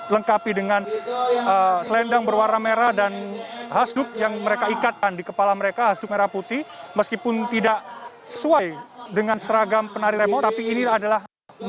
lengkapi dengan selendang berwarna merah dan hasduk yang mereka ikatkan di kepala mereka hasduk merah putih meskipun tidak sesuai dengan seragam penari remo tapi ini adalah